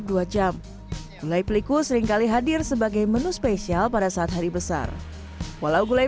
dua jam gulai peliku seringkali hadir sebagai menu spesial pada saat hari besar walau gulai